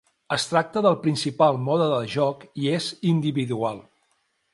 Es tracta del principal mode de joc i és individual.